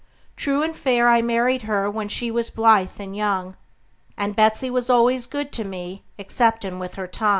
True and fair I married her, when she was blithe and young; And Betsey was al'ays good to me, exceptin' with her tongue.